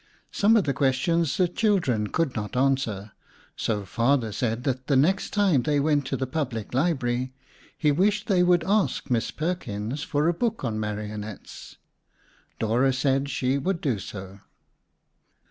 Some of the questions the children could not answer, so Father said that the next time they went to the Public Library, he wished they would ask Miss Perkins for a book on marionettes. Dora said she would do so.